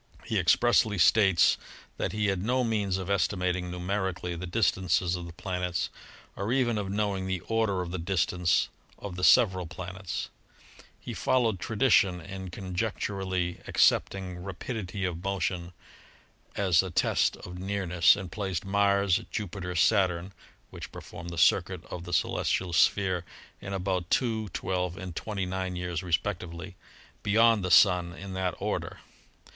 He expressly states that he had no means of estimating numerically the dis tances of the planets or even of knowing the order of the distance of the several planets. He followed tradition in conjecturally accepting rapidity of motion as a test of QeniTOfNEPTti^ Fig. 8 — The Orbits of the Five Exterior Planets. nearness and placed Mars, Jupiter, Saturn (which per form the circuit of the celestial sphere in about 2, 12 and 29 years, respectively) beyond the Sun in that order.